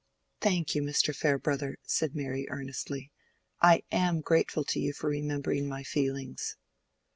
"Thank you, Mr. Farebrother," said Mary, earnestly. "I am grateful to you for remembering my feelings."